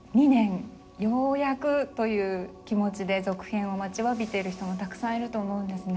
ようやくという気持ちで続編を待ちわびている人もたくさんいると思うんですね。